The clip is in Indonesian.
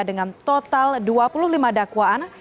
dengan total dua puluh lima dakwaan